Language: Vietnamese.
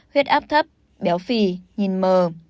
huyết áp thấp béo phì nhìn mờ